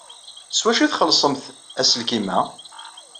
S wacu ay txellṣemt aselkim-a?